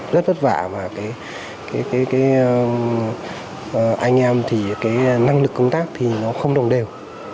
rất vất vả và anh em thì năng lực công tác thì nó không đồng đều